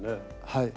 はい。